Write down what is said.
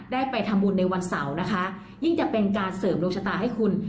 ได้ไปทำบุญในวันเสาร์นะคะยิ่งจะเป็นการเสริมดวงชะตาให้คุณ